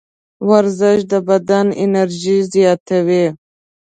ورزش د بدن انرژي زیاتوي.